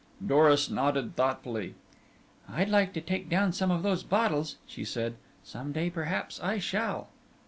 Doris nodded thoughtfully. "I'd like to take down some of those bottles," she said. "Some day perhaps I shall."